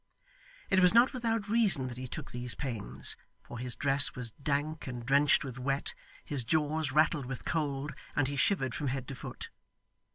It was not without reason that he took these pains, for his dress was dank and drenched with wet, his jaws rattled with cold, and he shivered from head to foot.